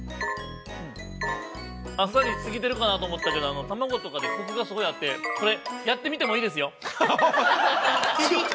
あっさりし過ぎているかなと思ったけど卵とかで、コクがすごいあって、これ、やってみてもいいですよ。